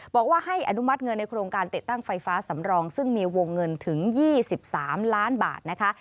บอกว่าให้อนุมัติเงินในโครงการติดตั้งไฟฟ้าสำรองซึ่งมีวงเงินถึง๒๓ล้านบาทนะคะ